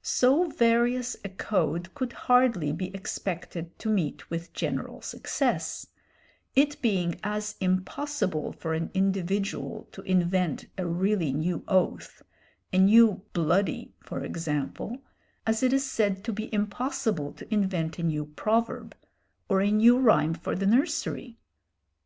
So various a code could hardly be expected to meet with general success, it being as impossible for an individual to invent a really new oath a new "bloody," for example as it is said to be impossible to invent a new proverb or a new rhyme for the nursery.